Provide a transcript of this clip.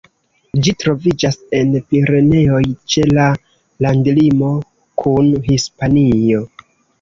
Ĝi troviĝas en Pireneoj, ĉe la landlimo kun Hispanio.